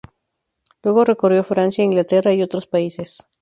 Luego recorrió Francia, Inglaterra y otros países.